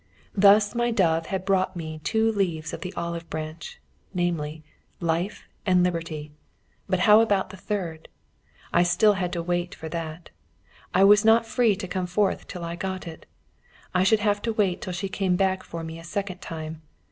Thus my dove had brought me two leaves of the olive branch, namely, life and liberty; but how about the third? I had still to wait for that. I was not free to come forth till I got it. I should have to wait till she came back for me a second time.